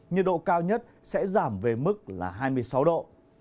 nhiệt độ cao nhất sẽ giảm về mức là hai mươi sáu độ